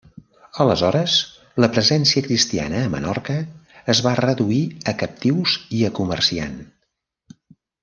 Aleshores, la presència cristiana a Menorca es va reduir a captius i a comerciant.